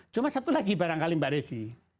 cuma satu lagi barangkali mbak desi